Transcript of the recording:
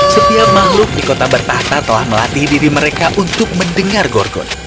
setiap makhluk di kota bertahta telah melatih diri mereka untuk mendengar gorgon